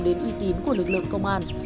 đến uy tín của lực lượng công an